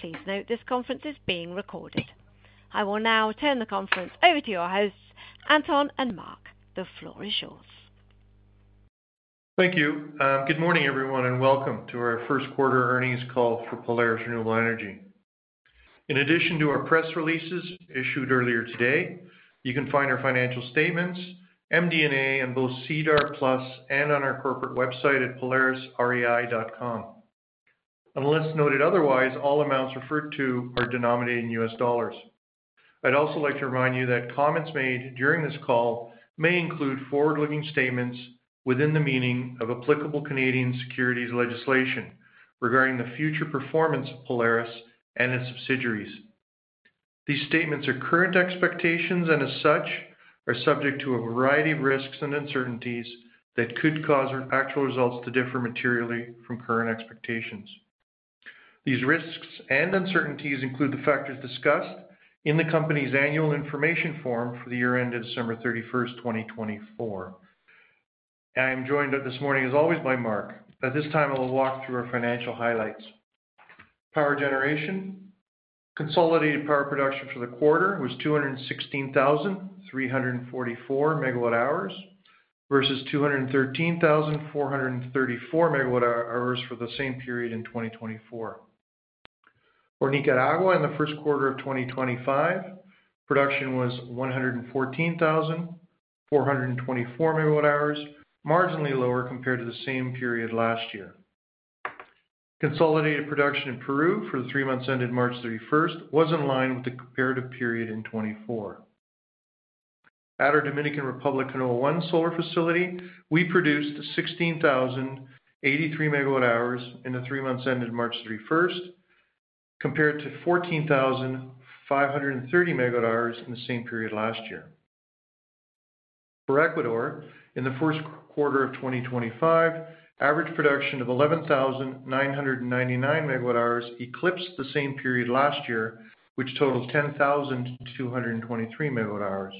Please note this conference is being recorded. I will now turn the conference over to your hosts, Anton and Marc. The floor is yours. Thank you. Good morning, everyone, and welcome to our first quarter earnings call for Polaris Renewable Energy. In addition to our press releases issued earlier today, you can find our financial statements, MD&A, on both SEDAR+ and on our corporate website at polarisrei.com. Unless noted otherwise, all amounts referred to are denominated in US dollars. I'd also like to remind you that comments made during this call may include forward-looking statements within the meaning of applicable Canadian securities legislation regarding the future performance of Polaris and its subsidiaries. These statements are current expectations and, as such, are subject to a variety of risks and uncertainties that could cause actual results to differ materially from current expectations. These risks and uncertainties include the factors discussed in the company's annual information form for the year ended December 31, 2024. I am joined this morning, as always, by Marc. At this time, I will walk through our financial highlights. Power generation: consolidated power production for the quarter was 216,344 MWh versus 213,434 MWh for the same period in 2024. For Nicaragua, in the first quarter of 2025, production was 114,424 MWh, marginally lower compared to the same period last year. Consolidated production in Peru for the three months ended March 31 was in line with the comparative period in 2024. At our Dominican Republic Canoa I solar facility, we produced 16,083 MWh in the three months ended March 31, compared to 14,530 MWh in the same period last year. For Ecuador, in the first quarter of 2025, average production of 11,999 MWh eclipsed the same period last year, which totaled 10,223 MWh.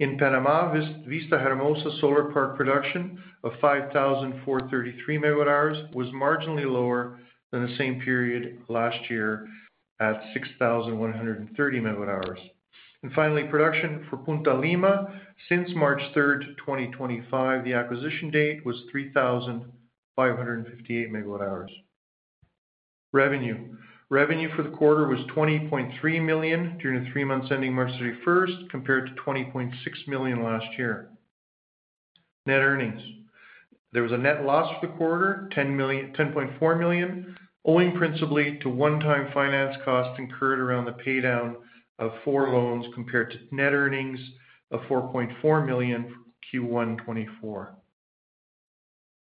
In Panama, Vista Hermosa Solar Park production of 5,433 MWh was marginally lower than the same period last year at 6,130 MWh. Finally, production for Punta Lima since March 3, 2025, the acquisition date, was 3,558 MWh. Revenue for the quarter was $20.3 million during the three months ending March 31, compared to $20.6 million last year. Net earnings: there was a net loss for the quarter, $10.4 million, owing principally to one-time finance costs incurred around the paydown of four loans compared to net earnings of $4.4 million in Q1 2024.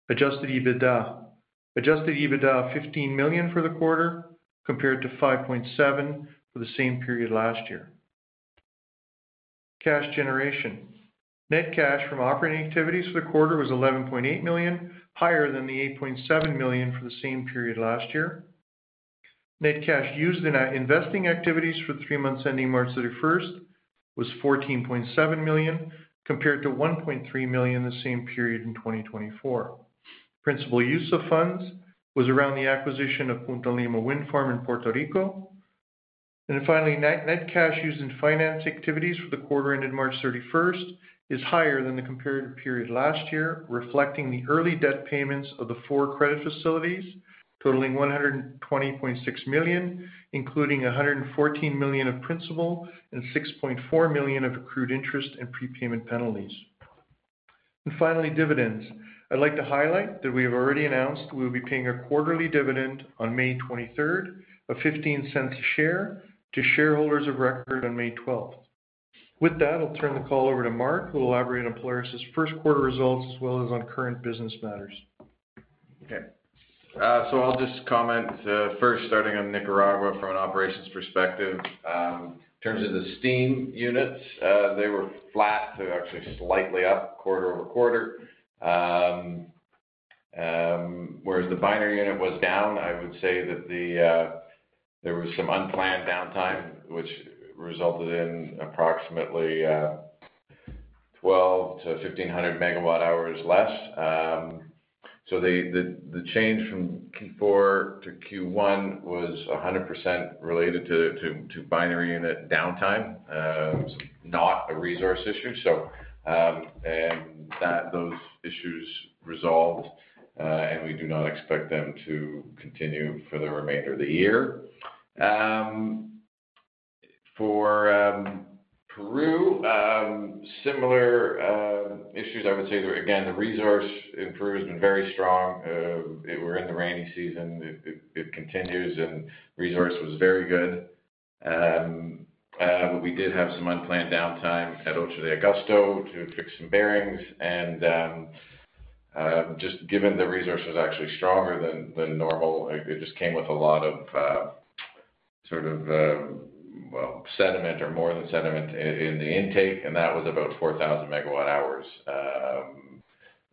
Adjusted EBITDA: adjusted EBITDA was $15 million for the quarter compared to $5.7 million for the same period last year. Cash generation: net cash from operating activities for the quarter was $11.8 million, higher than the $8.7 million for the same period last year. Net cash used in investing activities for the three months ending March 31 was $14.7 million compared to $1.3 million for the same period in 2024. Principal use of funds was around the acquisition of Punta Lima Wind Farm in Puerto Rico. Finally, net cash used in finance activities for the quarter ended March 31 is higher than the comparative period last year, reflecting the early debt payments of the four credit facilities totaling $120.6 million, including $114 million of principal and $6.4 million of accrued interest and prepayment penalties. Finally, dividends. I'd like to highlight that we have already announced we will be paying a quarterly dividend on May 23 of $0.15 share to shareholders of record on May 12. With that, I'll turn the call over to Marc, who will elaborate on Polaris's first quarter results as well as on current business matters. Okay. I'll just comment first, starting on Nicaragua from an operations perspective. In terms of the steam units, they were flat to actually slightly up quarter over quarter. Whereas the binary unit was down, I would say that there was some unplanned downtime, which resulted in approximately 1,200-1,500 MWh less. The change from Q4 to Q1 was 100% related to binary unit downtime, not a resource issue. Those issues resolved, and we do not expect them to continue for the remainder of the year. For Peru, similar issues, I would say that, again, the resource in Peru has been very strong. We're in the rainy season. It continues, and resource was very good. We did have some unplanned downtime at Ocho de Agosto to fix some bearings. Just given the resource was actually stronger than normal, it just came with a lot of sort of, well, sediment or more than sediment in the intake. That was about 4,000 MWh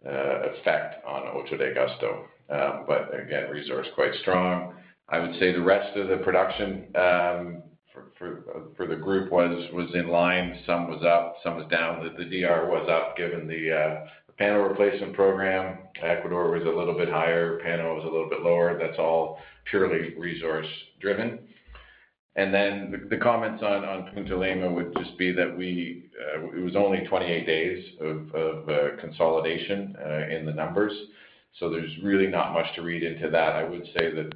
effect on Ocho de Agosto. Again, resource quite strong. I would say the rest of the production for the group was in line. Some was up, some was down. The DR was up given the panel replacement program. Ecuador was a little bit higher. Panel was a little bit lower. That is all purely resource-driven. The comments on Punta Lima would just be that it was only 28 days of consolidation in the numbers. There is really not much to read into that. I would say that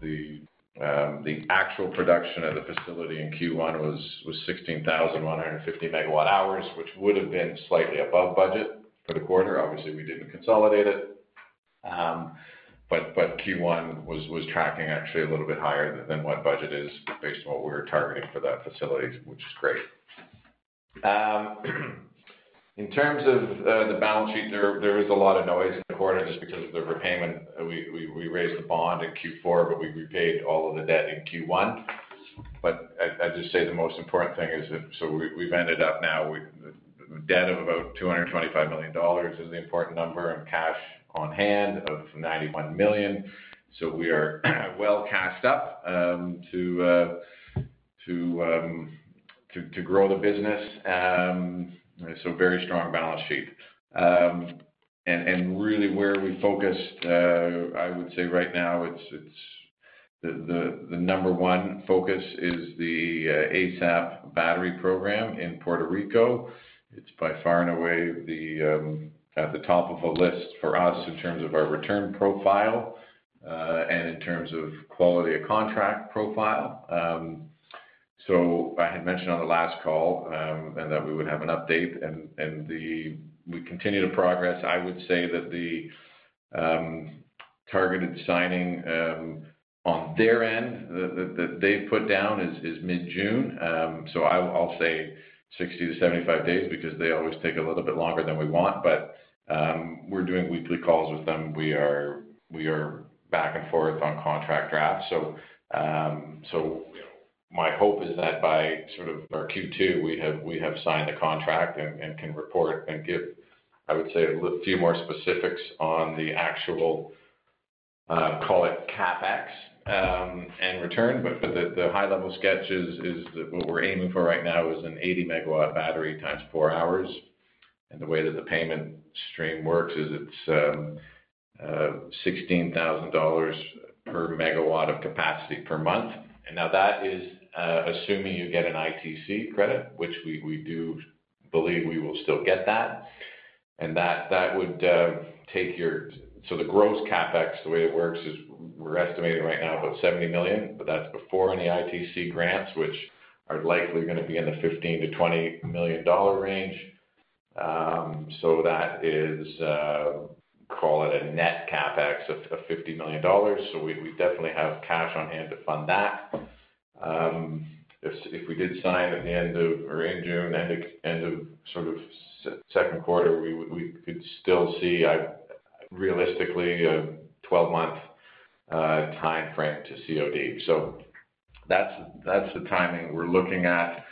the actual production of the facility in Q1 was 16,150 MWh, which would have been slightly above budget for the quarter. Obviously, we did not consolidate it. Q1 was tracking actually a little bit higher than what budget is based on what we were targeting for that facility, which is great. In terms of the balance sheet, there was a lot of noise in the quarter just because of the repayment. We raised the bond in Q4, but we repaid all of the debt in Q1. I'd just say the most important thing is that we've ended up now with debt of about $225 million is the important number and cash on hand of $91 million. We are well cashed up to grow the business. Very strong balance sheet. Really where we focused, I would say right now, the number one focus is the ESA battery program in Puerto Rico. It's by far and away at the top of the list for us in terms of our return profile and in terms of quality of contract profile. I had mentioned on the last call that we would have an update, and we continue to progress. I would say that the targeted signing on their end that they've put down is mid-June. I'll say 60-75 days because they always take a little bit longer than we want. We're doing weekly calls with them. We are back and forth on contract drafts. My hope is that by sort of our Q2, we have signed the contract and can report and give, I would say, a few more specifics on the actual, call it CapEx and return. The high-level sketch is that what we're aiming for right now is an 80 MW battery times four hours. The way that the payment stream works is it's $16,000 per MW of capacity per month. That is assuming you get an ITC credit, which we do believe we will still get that. That would take your, so the gross CapEx, the way it works is we're estimating right now about $70 million, but that's before any ITC grants, which are likely going to be in the $15 million-$20 million range. That is, call it a net CapEx of $50 million. We definitely have cash on hand to fund that. If we did sign at the end of or in June, end of sort of second quarter, we could still see realistically a 12-month timeframe to COD. That's the timing we're looking at.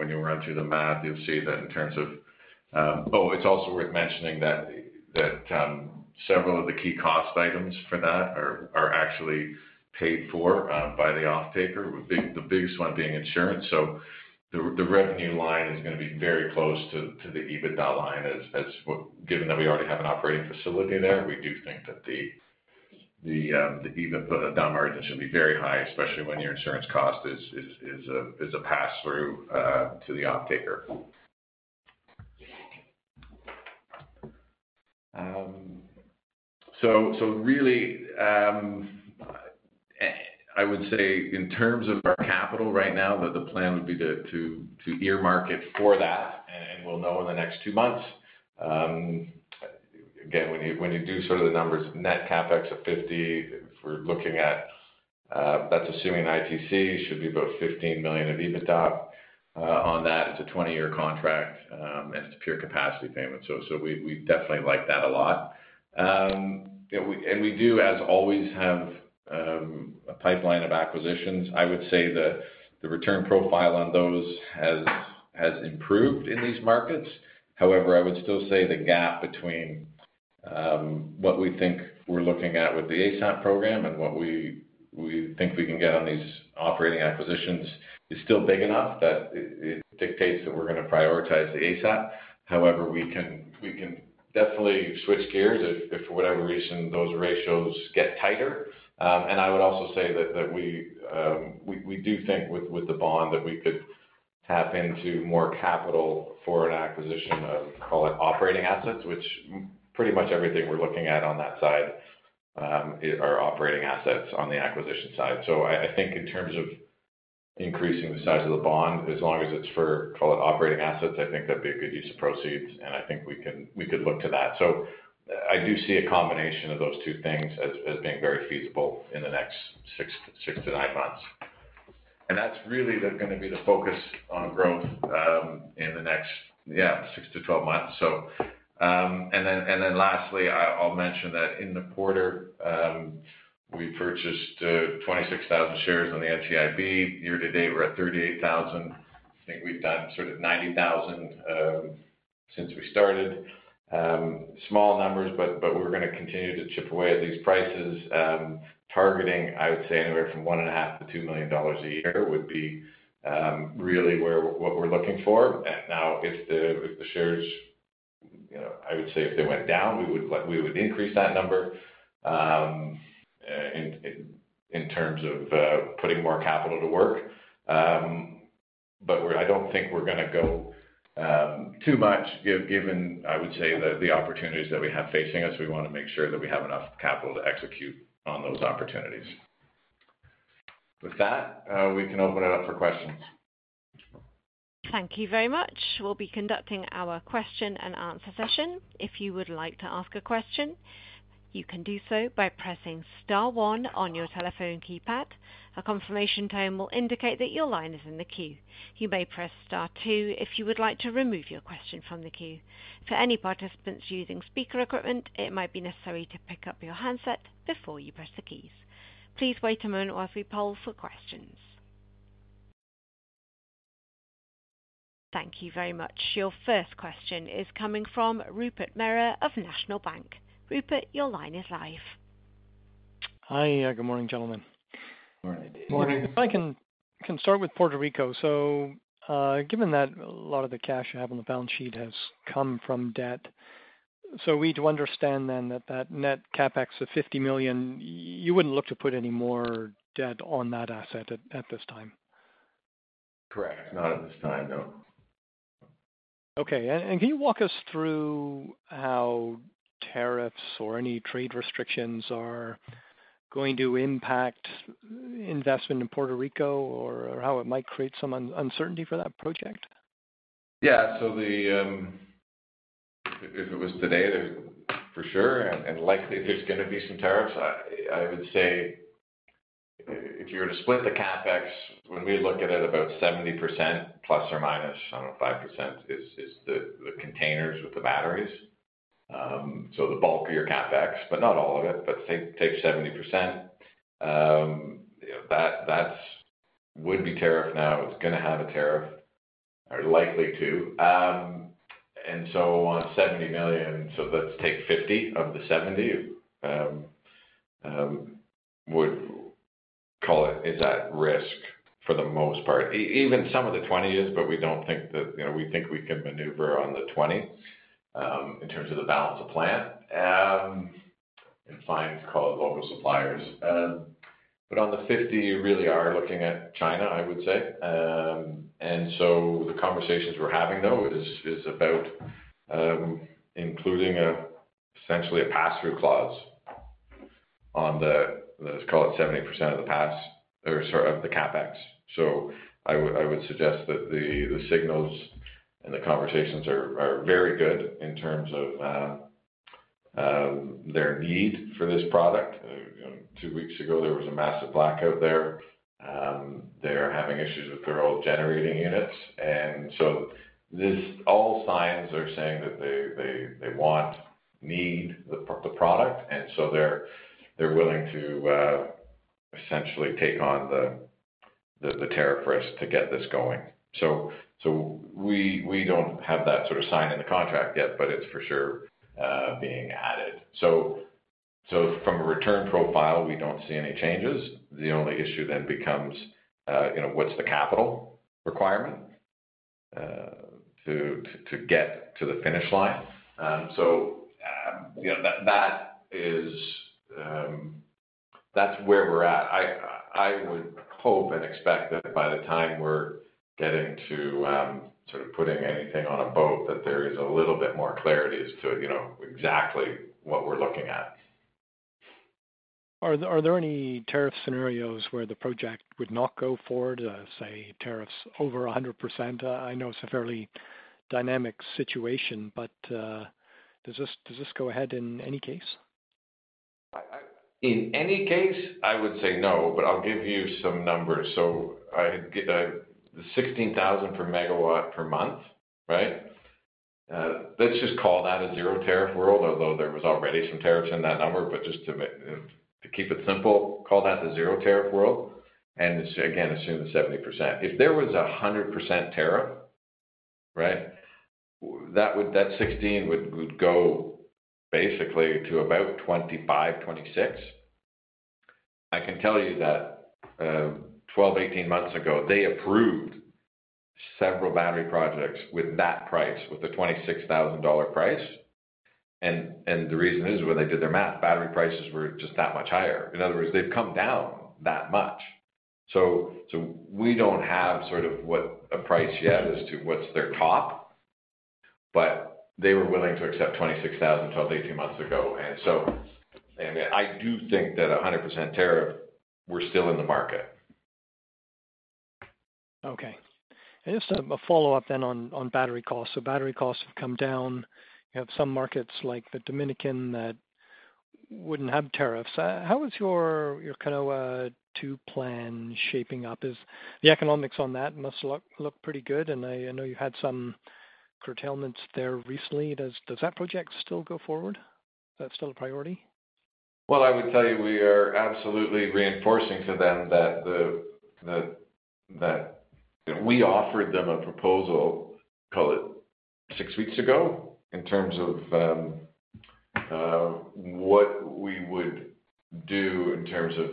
When you run through the math, you'll see that in terms of, oh, it's also worth mentioning that several of the key cost items for that are actually paid for by the off-taker, the biggest one being insurance. The revenue line is going to be very close to the EBITDA line as given that we already have an operating facility there. We do think that the EBITDA margin should be very high, especially when your insurance cost is a pass-through to the off-taker. Really, I would say in terms of our capital right now, the plan would be to earmark it for that, and we'll know in the next two months. Again, when you do sort of the numbers, net CapEx of $50 million, if we're looking at that's assuming ITC should be about $15 million of EBITDA on that. It's a 20-year contract and it's pure capacity payment. We definitely like that a lot. We do, as always, have a pipeline of acquisitions. I would say the return profile on those has improved in these markets. However, I would still say the gap between what we think we're looking at with the ASAP program and what we think we can get on these operating acquisitions is still big enough that it dictates that we're going to prioritize the ASAP. However, we can definitely switch gears if for whatever reason those ratios get tighter. I would also say that we do think with the bond that we could tap into more capital for an acquisition of, call it operating assets, which pretty much everything we're looking at on that side are operating assets on the acquisition side. I think in terms of increasing the size of the bond, as long as it's for, call it operating assets, I think that'd be a good use of proceeds. I think we could look to that. I do see a combination of those two things as being very feasible in the next 6-9 months. That's really going to be the focus on growth in the next 6-12 months. Lastly, I'll mention that in the quarter, we purchased 26,000 shares on the NCIB. Year to date, we're at 38,000. I think we've done sort of 90,000 since we started. Small numbers, but we're going to continue to chip away at these prices. Targeting, I would say, anywhere from $1.5 million-$2 million a year would be really what we're looking for. Now, if the shares, I would say if they went down, we would increase that number in terms of putting more capital to work. I do not think we are going to go too much given, I would say, the opportunities that we have facing us. We want to make sure that we have enough capital to execute on those opportunities. With that, we can open it up for questions. Thank you very much. We'll be conducting our question and answer session. If you would like to ask a question, you can do so by pressing star one on your telephone keypad. A confirmation tone will indicate that your line is in the queue. You may press star two if you would like to remove your question from the queue. For any participants using speaker equipment, it might be necessary to pick up your handset before you press the keys. Please wait a moment while we poll for questions. Thank you very much. Your first question is coming from Rupert Merer of National Bank. Rupert, your line is live. Hi. Good morning, gentlemen. Morning. Morning. I can start with Puerto Rico. Given that a lot of the cash I have on the balance sheet has come from debt, we need to understand then that that net CapEx of $50 million, you would not look to put any more debt on that asset at this time? Correct. Not at this time, no. Okay. Can you walk us through how tariffs or any trade restrictions are going to impact investment in Puerto Rico or how it might create some uncertainty for that project? Yeah. If it was today, for sure. Likely there's going to be some tariffs. I would say if you were to split the CapEx, when we look at it, about 70% plus or minus, I don't know, 5% is the containers with the batteries. The bulk of your CapEx, but not all of it, but say take 70%. That would be tariff now. It's going to have a tariff or likely to. On $70 million, let's take $50 million of the $70 million, would call it is at risk for the most part. Even some of the $20 million is, but we think we can maneuver on the $20 million in terms of the balance of plant and find, call it local suppliers. On the $50 million, you really are looking at China, I would say. The conversations we're having, though, are about including essentially a pass-through clause on the, let's call it 70% of the pass or sort of the CapEx. I would suggest that the signals and the conversations are very good in terms of their need for this product. Two weeks ago, there was a massive blackout there. They're having issues with their old generating units. All signs are saying that they want, need the product. They're willing to essentially take on the tariff risk to get this going. We don't have that sort of sign in the contract yet, but it's for sure being added. From a return profile, we don't see any changes. The only issue then becomes what's the capital requirement to get to the finish line. That's where we're at. I would hope and expect that by the time we're getting to sort of putting anything on a boat, that there is a little bit more clarity as to exactly what we're looking at. Are there any tariff scenarios where the project would not go forward, say, tariffs over 100%? I know it's a fairly dynamic situation, but does this go ahead in any case? In any case, I would say no, but I'll give you some numbers. The $16,000 per MW per month, right? Let's just call that a zero tariff world, although there was already some tariffs in that number, but just to keep it simple, call that the zero tariff world. Again, assume the 70%. If there was a 100% tariff, right, that $16,000 would go basically to about $25,000-$26,000. I can tell you that 12-18 months ago, they approved several battery projects with that price, with the $26,000 price. The reason is when they did their math, battery prices were just that much higher. In other words, they've come down that much. We don't have sort of what a price yet as to what's their top, but they were willing to accept $26,000 12-18 months ago. I do think that 100% tariff, we're still in the market. Okay. Just a follow-up then on battery costs. Battery costs have come down. You have some markets like the Dominican that would not have tariffs. How is your Canoa II plan shaping up is? The economics on that must look pretty good. I know you had some curtailments there recently. Does that project still go forward? Is that still a priority? I would tell you we are absolutely reinforcing to them that we offered them a proposal, call it six weeks ago, in terms of what we would do in terms of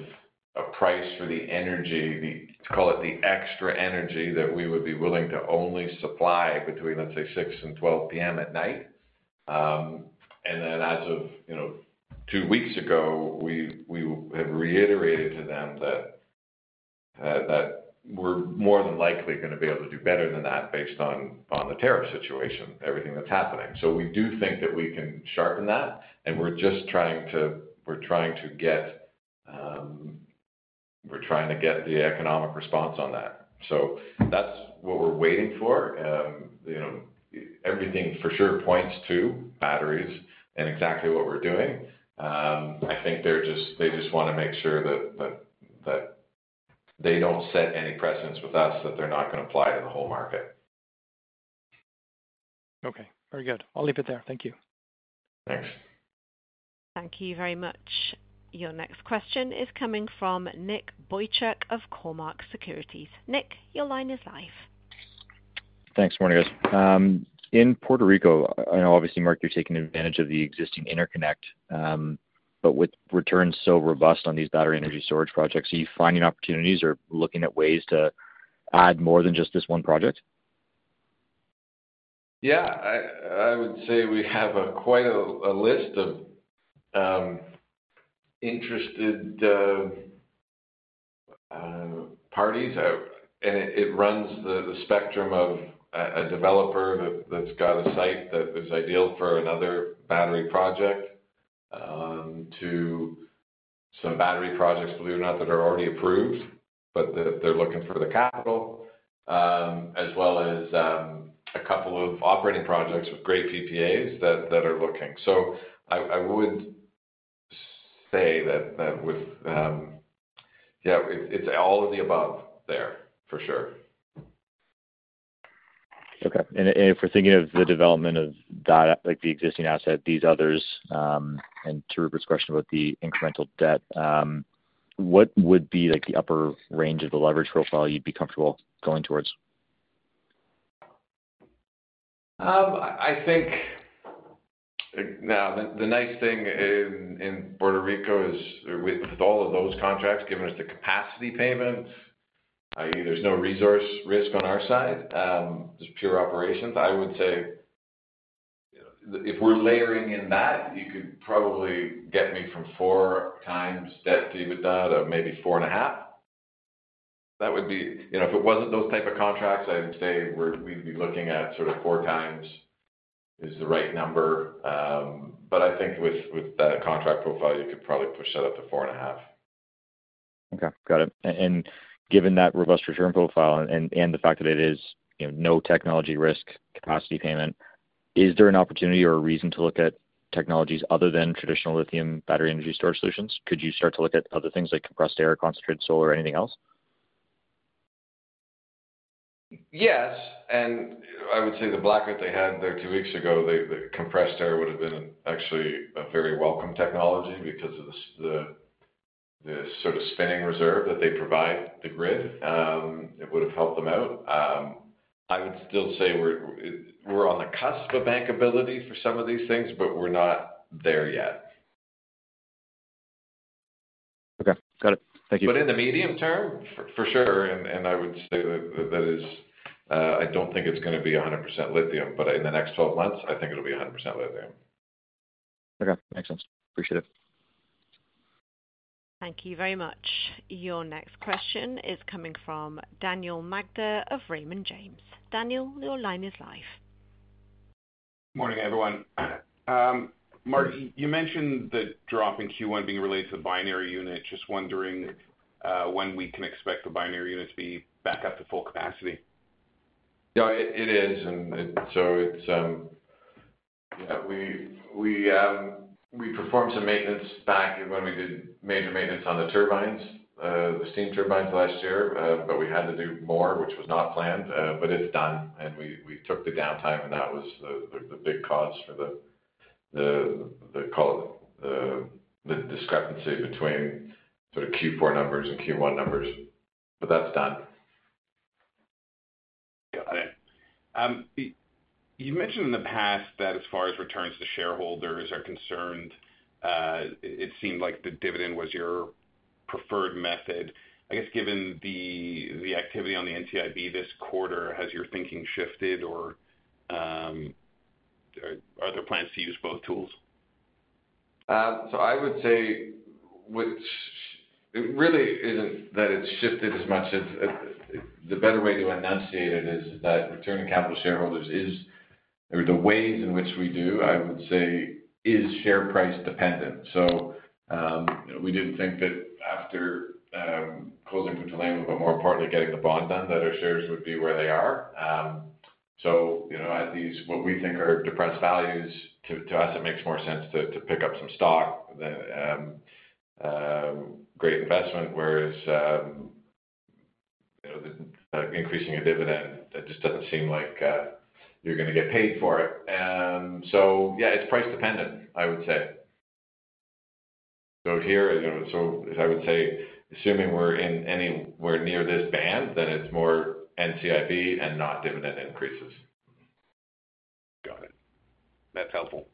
a price for the energy, call it the extra energy that we would be willing to only supply between, let's say, 6:00 and 12:00 P.M. at night. As of two weeks ago, we have reiterated to them that we're more than likely going to be able to do better than that based on the tariff situation, everything that's happening. We do think that we can sharpen that. We're just trying to get the economic response on that. That's what we're waiting for. Everything for sure points to batteries and exactly what we're doing. I think they just want to make sure that they don't set any precedents with us that they're not going to apply to the whole market. Okay. Very good. I'll leave it there. Thank you. Thanks. Thank you very much. Your next question is coming from Nick Boychuk of Cormark Securities. Nick, your line is live. Thanks. Morning, guys. In Puerto Rico, I know obviously, Marc, you're taking advantage of the existing interconnect, but with returns so robust on these battery energy storage projects, are you finding opportunities or looking at ways to add more than just this one project? Yeah. I would say we have quite a list of interested parties. It runs the spectrum of a developer that's got a site that is ideal for another battery project to some battery projects, believe it or not, that are already approved, but they're looking for the capital, as well as a couple of operating projects with great PPAs that are looking. I would say that with, yeah, it's all of the above there for sure. Okay. If we're thinking of the development of the existing asset, these others, and to Rupert's question about the incremental debt, what would be the upper range of the leverage profile you'd be comfortable going towards? I think now the nice thing in Puerto Rico is with all of those contracts, given us the capacity payments, i.e., there's no resource risk on our side, just pure operations. I would say if we're layering in that, you could probably get me from four times debt to EBITDA of maybe four and a half. That would be if it wasn't those type of contracts, I would say we'd be looking at sort of four times is the right number. I think with that contract profile, you could probably push that up to four and a half. Okay. Got it. Given that robust return profile and the fact that it is no technology risk, capacity payment, is there an opportunity or a reason to look at technologies other than traditional lithium battery energy storage solutions? Could you start to look at other things like compressed air, concentrated solar, anything else? Yes. I would say the blackout that they had there two weeks ago, the compressed air would have been actually a very welcome technology because of the sort of spinning reserve that they provide the grid. It would have helped them out. I would still say we're on the cusp of bankability for some of these things, but we're not there yet. Okay. Got it. Thank you. In the medium term, for sure. I would say that that is, I do not think it is going to be 100% lithium, but in the next 12 months, I think it will be 100% lithium. Okay. Makes sense. Appreciate it. Thank you very much. Your next question is coming from Daniel Magder of Raymond James. Daniel, your line is live. Morning, everyone. Marc, you mentioned the drop in Q1 being related to the binary unit. Just wondering when we can expect the binary unit to be back up to full capacity. Yeah, it is. Yeah, we performed some maintenance back when we did major maintenance on the turbines, the steam turbines last year, but we had to do more, which was not planned. It is done. We took the downtime, and that was the big cause for the, call it, the discrepancy between sort of Q4 numbers and Q1 numbers. That is done. Got it. You mentioned in the past that as far as returns to shareholders are concerned, it seemed like the dividend was your preferred method. I guess given the activity on the NCIB this quarter, has your thinking shifted, or are there plans to use both tools? I would say it really isn't that it's shifted as much. The better way to enunciate it is that returning capital to shareholders is the ways in which we do, I would say, is share price dependent. We didn't think that after closing with Delangle, but more importantly, getting the bond done, that our shares would be where they are. At these, what we think are depressed values, to us, it makes more sense to pick up some stock than great investment, whereas increasing a dividend, that just doesn't seem like you're going to get paid for it. Yeah, it's price dependent, I would say. Here, I would say, assuming we're anywhere near this band, then it's more NCIB and not dividend increases. Got it. That's helpful.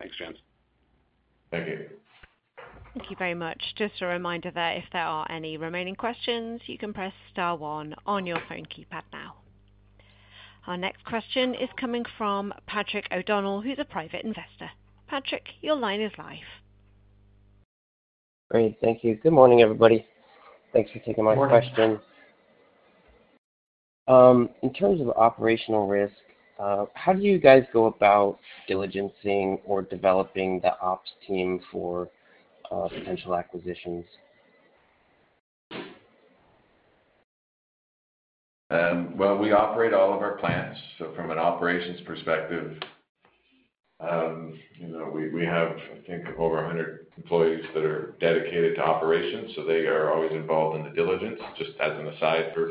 Thanks, James. Thank you. Thank you very much. Just a reminder that if there are any remaining questions, you can press star one on your phone keypad now. Our next question is coming from Patrick O'Donnell, who's a private investor. Patrick, your line is live. Great. Thank you. Good morning, everybody. Thanks for taking my questions. In terms of operational risk, how do you guys go about diligencing or developing the ops team for potential acquisitions? We operate all of our plants. From an operations perspective, we have, I think, over 100 employees that are dedicated to operations. They are always involved in the diligence. Just as an aside for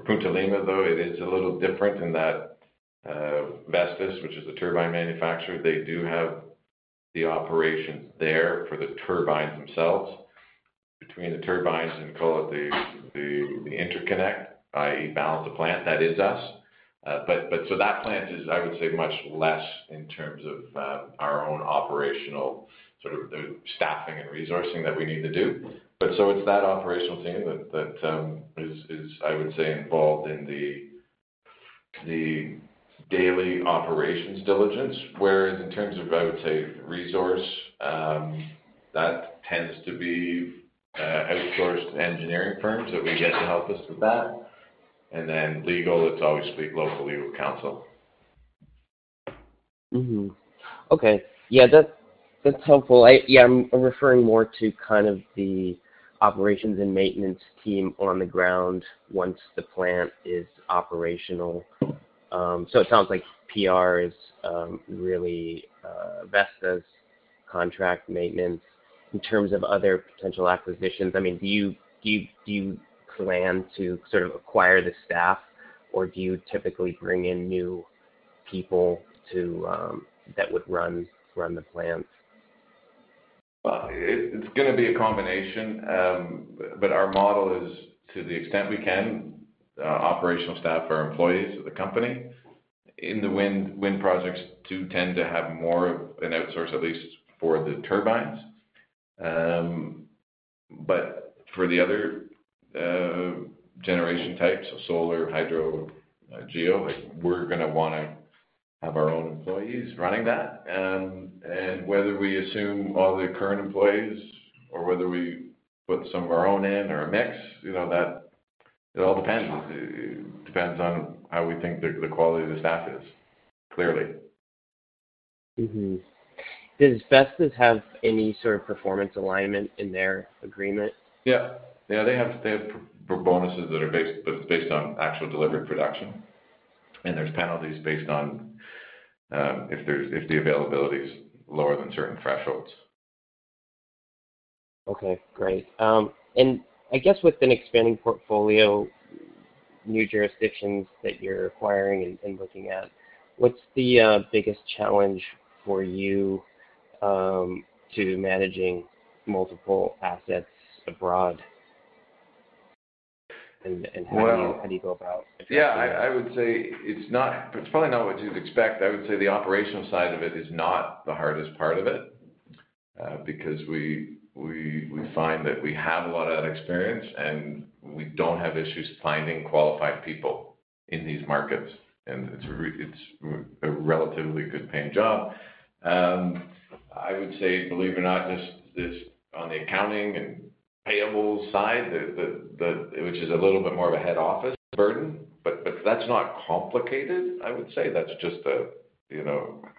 Punta Lima, though, it is a little different in that Vestas, which is a turbine manufacturer, does have the operations there for the turbines themselves. Between the turbines and, call it, the interconnect, i.e., balance the plant, that is us. That plant is, I would say, much less in terms of our own operational sort of staffing and resourcing that we need to do. It is that operational team that is, I would say, involved in the daily operations diligence. Whereas in terms of, I would say, resource, that tends to be outsourced to engineering firms that we get to help us with that. Legal, it's always speak locally with counsel. Okay. Yeah, that's helpful. Yeah, I'm referring more to kind of the operations and maintenance team on the ground once the plant is operational. It sounds like PR is really Vestas contract maintenance. In terms of other potential acquisitions, I mean, do you plan to sort of acquire the staff, or do you typically bring in new people that would run the plant? It is going to be a combination, but our model is, to the extent we can, operational staff are employees of the company. In the wind projects, do tend to have more of an outsource, at least for the turbines. For the other generation types, solar, hydro, geo, we are going to want to have our own employees running that. Whether we assume all the current employees or whether we put some of our own in or a mix, it all depends. It depends on how we think the quality of the staff is, clearly. Does Vestas have any sort of performance alignment in their agreement? Yeah. Yeah, they have bonuses that are based, but it's based on actual delivery production. And there's penalties based on if the availability is lower than certain thresholds. Okay. Great. I guess with an expanding portfolio, new jurisdictions that you're acquiring and looking at, what's the biggest challenge for you to managing multiple assets abroad? How do you go about? Yeah. I would say it's probably not what you'd expect. I would say the operational side of it is not the hardest part of it because we find that we have a lot of that experience, and we don't have issues finding qualified people in these markets. It's a relatively good-paying job. I would say, believe it or not, just on the accounting and payables side, which is a little bit more of a head office burden, that's not complicated, I would say. That's just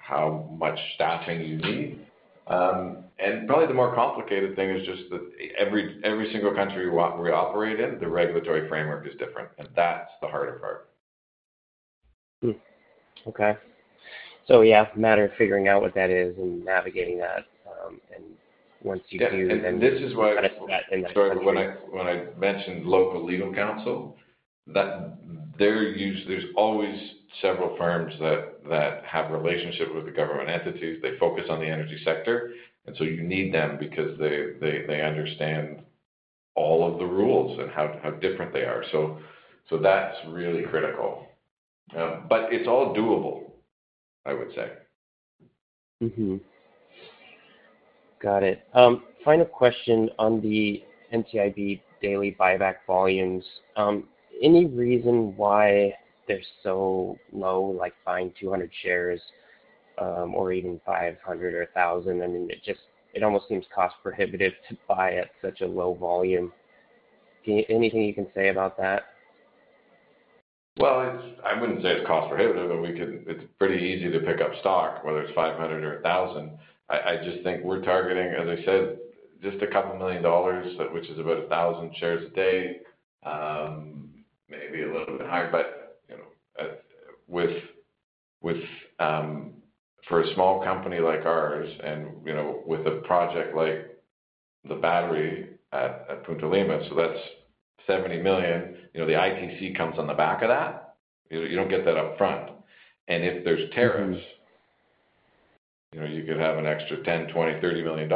how much staffing you need. Probably the more complicated thing is just that every single country we operate in, the regulatory framework is different. That's the harder part. Okay. Yeah, matter of figuring out what that is and navigating that. Once you do, then kind of. When I mentioned local legal counsel, there are always several firms that have relationships with the government entities. They focus on the energy sector. You need them because they understand all of the rules and how different they are. That is really critical. It is all doable, I would say. Got it. Final question on the NCIB daily buyback volumes. Any reason why they're so low, like buying 200 shares or even 500 or 1,000? I mean, it almost seems cost-prohibitive to buy at such a low volume. Anything you can say about that? I wouldn't say it's cost-prohibitive, but it's pretty easy to pick up stock, whether it's 500 or 1,000. I just think we're targeting, as I said, just a couple of million dollars, which is about 1,000 shares a day, maybe a little bit higher. For a small company like ours and with a project like the battery at Punta Lima, that's $70 million, the ITC comes on the back of that. You don't get that upfront. If there are tariffs, you could have an extra $10 million-$30 million.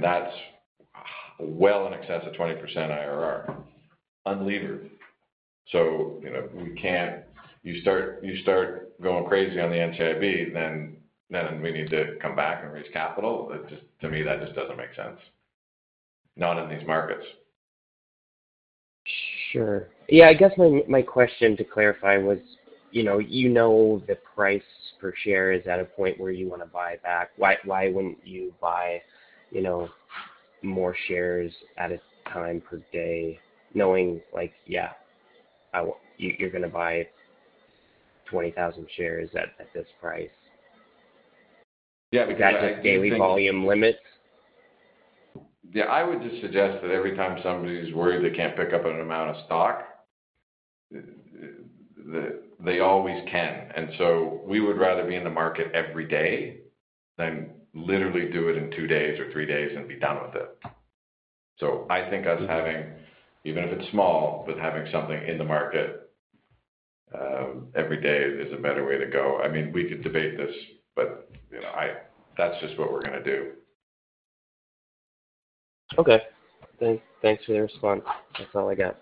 That's well in excess of 20% IRR unlevered. You start going crazy on the NCIB, then we need to come back and raise capital. To me, that just doesn't make sense, not in these markets. Sure. Yeah. I guess my question to clarify was, you know, the price per share is at a point where you want to buy back. Why wouldn't you buy more shares at a time per day, knowing, yeah, you're going to buy 20,000 shares at this price? Yeah. Exactly. That daily volume limit? Yeah. I would just suggest that every time somebody's worried they can't pick up an amount of stock, they always can. We would rather be in the market every day than literally do it in two days or three days and be done with it. I think us having, even if it's small, but having something in the market every day is a better way to go. I mean, we could debate this, but that's just what we're going to do. Okay. Thanks for the response. That's all I got.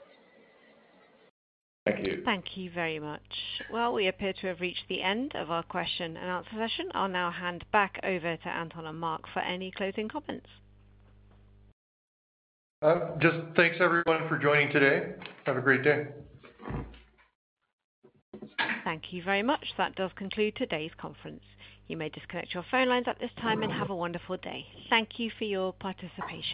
Thank you. Thank you very much. We appear to have reached the end of our question and answer session. I'll now hand back over to Anton and Mark for any closing comments. Just thanks, everyone, for joining today. Have a great day. Thank you very much. That does conclude today's conference. You may disconnect your phone lines at this time and have a wonderful day. Thank you for your participation.